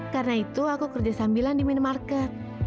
karena itu aku kerja sambilan di minimarket